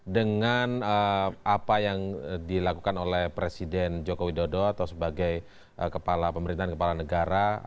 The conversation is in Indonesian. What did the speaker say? dengan apa yang dilakukan oleh presiden joko widodo atau sebagai kepala pemerintahan kepala negara